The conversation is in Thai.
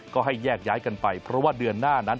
ก็ให้แยกย้ายกันไปเพราะว่าเดือนหน้านั้น